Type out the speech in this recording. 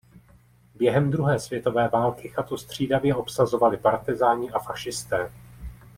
Během druhé světové války chatu střídavě obsazovali partyzáni a fašisté.